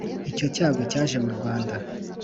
icyo cyago cyaje mu rwanda